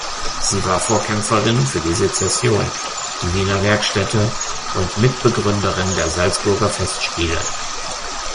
Sie war Vorkämpferin für die Secession, die Wiener Werkstätte und Mitbegründerin der Salzburger Festspiele.